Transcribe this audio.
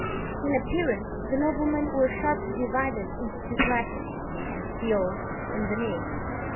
In appearance the noblemen were sharply divided into two classes: the old and the new.